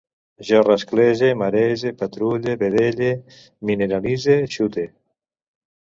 Jo rasclege, marege, patrulle, vedelle, mineralitze, xute